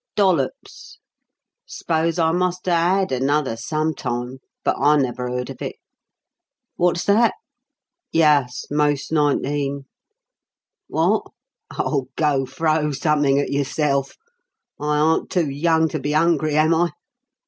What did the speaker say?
"Dollops. S'pose I must a had another sometime, but I never heard of it. Wot's that? Yuss most nineteen. Wot? Oh, go throw summink at yourself! I aren't too young to be 'ungry, am I?